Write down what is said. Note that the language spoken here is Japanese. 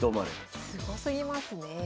すごすぎますねえ。